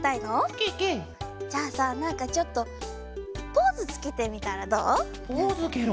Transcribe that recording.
ケケ！じゃあさなんかちょっとポーズつけてみたらどう？